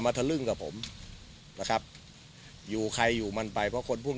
ทะลึ่งกับผมนะครับอยู่ใครอยู่มันไปเพราะคนภูมิ